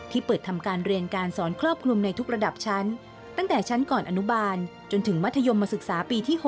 เปิดทำการเรียนการสอนครอบคลุมในทุกระดับชั้นตั้งแต่ชั้นก่อนอนุบาลจนถึงมัธยมศึกษาปีที่๖